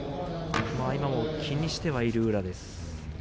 今も気にしている宇良です。